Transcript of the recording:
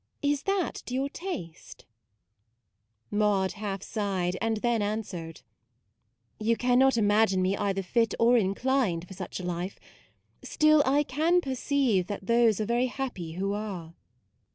Is that to your taste ?" Maude half sighed, and then an swered : u You cannot imagine me either fit or inclined for such a life; still, I can perceive that those are very happy who are.